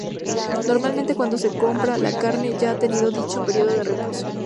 Normalmente, cuando se compra la carne ya ha tenido dicho periodo de reposo.